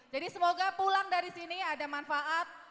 jadi semoga pulang dari sini ada manfaat